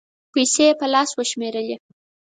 پېسې یې په لاس و شمېرلې